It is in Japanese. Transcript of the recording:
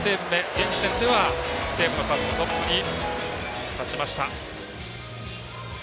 現時点では、セーブの数もトップに立ちました。